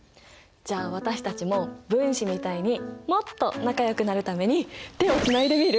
じゃあ私たちも分子みたいにもっと仲よくなるために手をつないでみる？